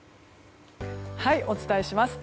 お伝えします。